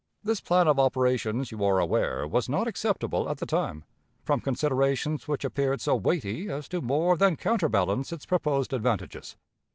This plan of operations, you are aware, was not acceptable at the time, from considerations which appeared so weighty as to more than counterbalance its proposed advantages.